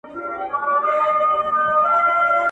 • چي پیدا کړی خالق انسان دی -